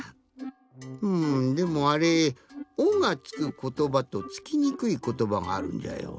うんでもあれ「お」がつくことばとつきにくいことばがあるんじゃよ。